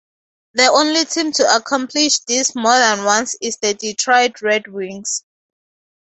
The only team to accomplish this more than once is the Detroit Red Wings.